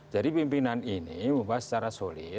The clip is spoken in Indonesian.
jadi pimpinan ini membahas secara solid